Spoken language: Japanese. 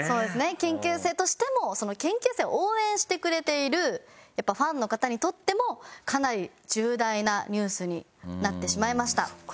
研究生としても研究生を応援してくれているファンの方にとってもかなり重大なニュースになってしまいました。